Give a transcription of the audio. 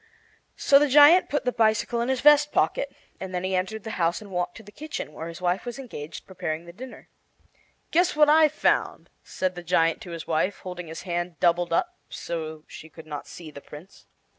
So the giant put the bicycle in his vest pocket, and then he entered the house and walked to the kitchen, where his wife was engaged preparing the dinner. "Guess what I've found," said the giant to his wife, holding his hand doubled up so she could not see the Prince.